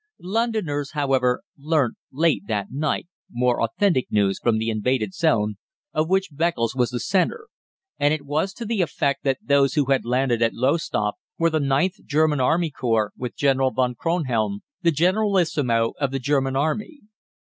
Londoners, however, learnt late that night more authentic news from the invaded zone, of which Beccles was the centre, and it was to the effect that those who had landed at Lowestoft were the IXth German Army Corps, with General von Kronhelm, the Generalissimo of the German Army.